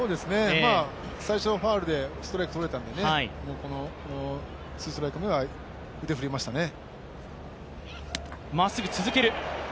最初、ファウルでストライクとれたのでツーストライク目は腕を振りましたね。